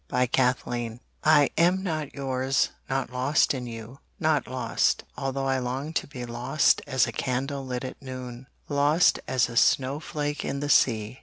"I Am Not Yours" I am not yours, not lost in you, Not lost, although I long to be Lost as a candle lit at noon, Lost as a snowflake in the sea.